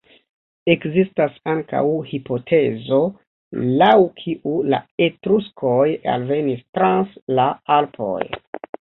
Ekzistas ankaŭ hipotezo, laŭ kiu la etruskoj alvenis trans la Alpoj.